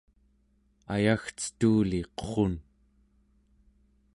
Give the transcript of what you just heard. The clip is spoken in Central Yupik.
ayagcetuli qurrun